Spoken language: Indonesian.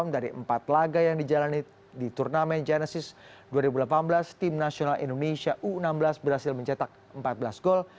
dari empat laga yang dijalani di turnamen genesis dua ribu delapan belas tim nasional indonesia u enam belas berhasil mencetak empat belas gol